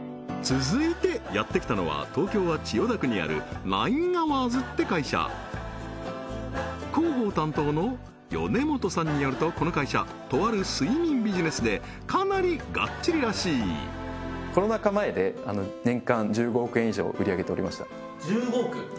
続いてやってきたのは東京は千代田区にあるナインアワーズって会社広報担当の米本さんによるとこの会社とある睡眠ビジネスでかなりがっちりらしい以上売上げておりました